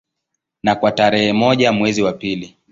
Na kwa tarehe moja mwezi wa pili